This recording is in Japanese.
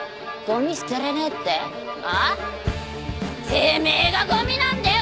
てめえがゴミなんだよ！